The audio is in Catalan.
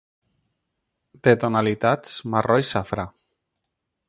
De tonalitats marró i safrà.